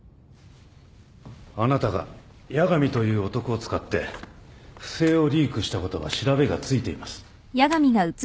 あなたが八神という男を使って不正をリークしたことは調べがついています。